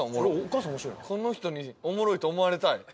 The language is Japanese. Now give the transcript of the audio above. この人におもろいと思われたい。